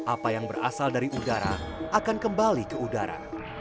apa yang berasal dari udara akan kembali ke udara